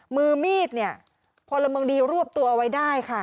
มือมีดเนี่ยพลเมืองดีรวบตัวเอาไว้ได้ค่ะ